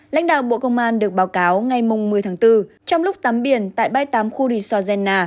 lãnh đạo bộ công an được báo cáo ngày một mươi tháng bốn trong lúc tắm biển tại bãi tám khu resort jenna